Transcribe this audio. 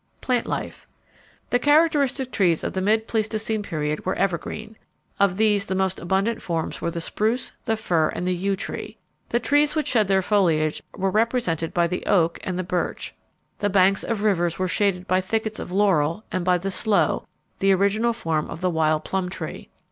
Plant Life. The characteristic trees of the mid Pleistocene period were evergreen. Of these the most abundant forms were the spruce, the fir, and the yew tree. The trees which shed their foliage were represented by the oak and the birch. The banks of rivers were shaded by thickets of laurel and by the sloe, the original form of the wild plum tree.